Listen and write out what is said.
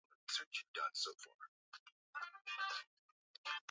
na nimekuwa nikisikiliza wakuu wa serikali wanavyo zungumza